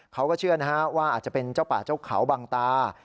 เขาก็เชื่อนะฮะว่าอาจจะเป็นเจ้าป่าเจ้าเขาบางตา